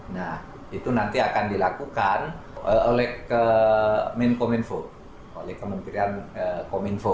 nah itu nanti akan dilakukan oleh kemenko menfo oleh kementerian komenfo